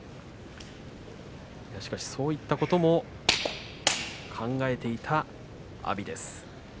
そういったことも考えていた阿炎です。